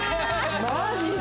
マジで！？